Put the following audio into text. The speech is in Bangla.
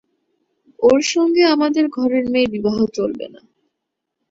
ওর সঙ্গে আমাদের ঘরের মেয়ের বিবাহ চলবে না।